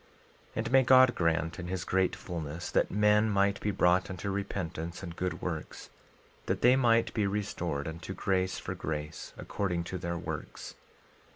12:24 And may God grant, in his great fulness, that men might be brought unto repentance and good works, that they might be restored unto grace for grace, according to their works.